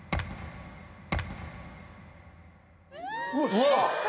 うわっ！